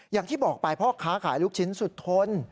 อย่างที่บอกไปพ่อค้าขายลูกชิ้นสุดทน